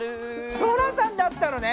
ソラさんだったのね！